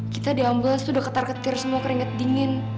kita di ambulans itu udah ketar ketir semua keringat dingin